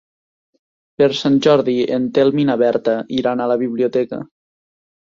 Per Sant Jordi en Telm i na Berta iran a la biblioteca.